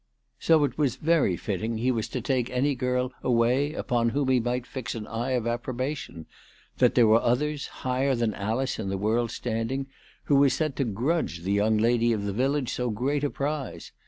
So very fitting he was to take any girl away upon whom he might fix an eye of approbation, that there were others, higher than Alice in the world's standing, who were said to grudge the ALICE DTJGDALE. 327 young lady of the village so great a prize.